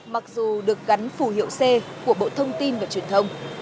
mặc dù được gắn phù hiệu c của bộ thông tin và truyền thông